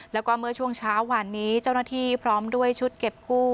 แล้วก็เมื่อช่วงเช้าวันนี้เจ้าหน้าที่พร้อมด้วยชุดเก็บกู้